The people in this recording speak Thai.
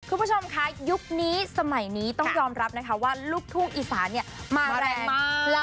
คุณผู้ชมค่ะยุคนี้สมัยนี้ต้องยอมรับนะคะว่าลูกทุ่งอีสานเนี่ยมาแรงมาก